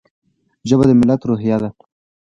ژبه د ملت روحیه ده.